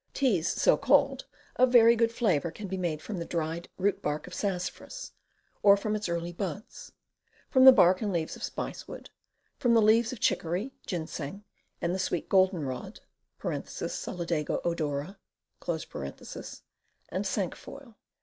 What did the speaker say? Teas, so called, of very good flavor can be made from the dried root bark of sassafras, or from its early buds, from the bark and leaves of spicewood, from the leaves of chicory, ginseng, the sweet goldenrod (Solidago odma), and cinquefoil.